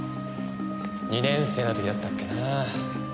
２年生の時だったっけなあ。